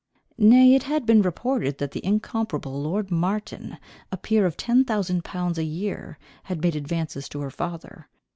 Nay, it has been reported, that the incomparable lord Martin, a peer of ten thousand pounds a year, had made advances to her father.